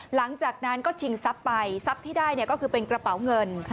หลังจากนั้นก็ชิงทรัพย์ไปทรัพย์ที่ได้ก็คือเป็นกระเป๋าเงิน